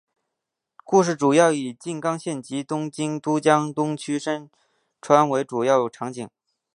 故事主要以静冈县及东京都江东区深川为主要场景。